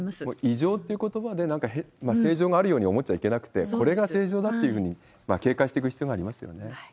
異常ということばでなんか正常があるように思っちゃいけなくて、これが正常だって、警戒していく必要がありますよね。